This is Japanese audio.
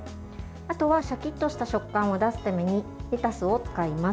あとはシャキッとした食感を出すためにレタスを使います。